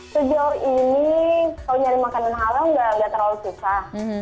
sejauh ini kalau nyari makanan halal nggak terlalu susah